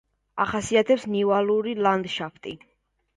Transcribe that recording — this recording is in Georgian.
ახასიათებს ნივალური ლანდშაფტი.